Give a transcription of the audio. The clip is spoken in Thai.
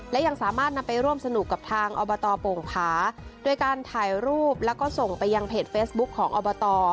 และยังสามารถนำไปร่วมสนุกกับทางอบตโป่งผาโดยการถ่ายรูปแล้วก็ส่งไปยังเพจเฟซบุ๊คของอบต